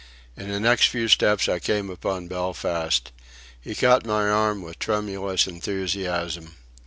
In the next few steps I came upon Belfast. He caught my arm with tremulous enthusiasm.